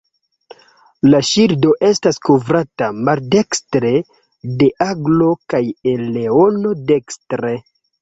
La ŝildo estas kovrata maldekstre de aglo kaj leono dekstre.